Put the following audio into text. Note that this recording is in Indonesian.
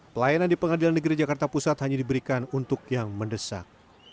pelayanan di pengadilan negeri jakarta pusat hanya diberikan untuk yang mendesak